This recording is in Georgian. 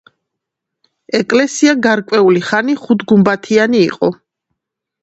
ეკლესია გარკვეული ხანი ხუთგუმბათიანი იყო.